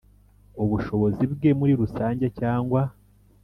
Ubushobozi bwe muri rusange cyangwa